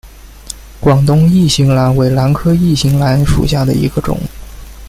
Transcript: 广东异型兰为兰科异型兰属下的一个种。